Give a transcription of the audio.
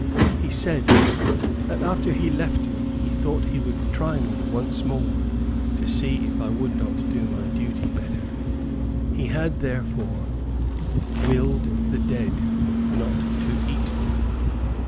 He said that after he left me, he thought he would try me once more, and see if I would not do my duty better; he had, therefore, WILLED THE DEAD NOT TO EAT ME!